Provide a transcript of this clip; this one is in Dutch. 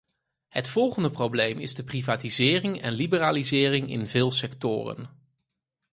Het volgende probleem is de privatisering en liberalisering in veel sectoren.